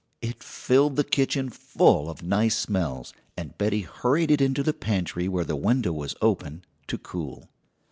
It filled the kitchen full of nice smells, and Betty hurried it into the pantry, where the window was open to cool.